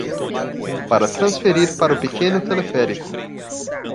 Para transferir para o pequeno teleférico